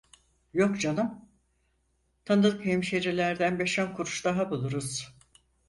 Yok canım, tanıdık hemşerilerden beş on kuruş daha buluruz.